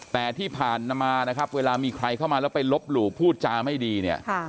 แต่ที่ผ่านมานะครับเวลามีใครเข้ามาแล้วไปลบหลู่พูดจาไม่ดีเนี่ย